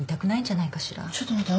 ちょっと待って。